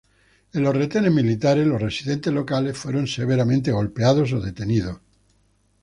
En los retenes militares, los residentes locales fueron severamente golpeados o detenidos.